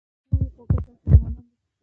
هورې خو ګرده مسلمانان دي.